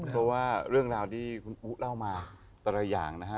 เพราะว่าเรื่องราวที่คุณอุ๊เล่ามาแต่ละอย่างนะฮะ